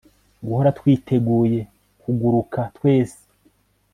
guhora twiteguye kuguruka twese